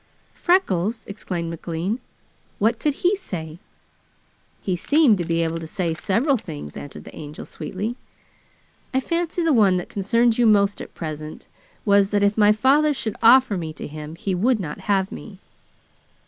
"Freckles!" exclaimed McLean. "What could he say?" "He seemed to be able to say several things," answered the Angel sweetly. "I fancy the one that concerns you most at present was, that if my father should offer me to him he would not have me."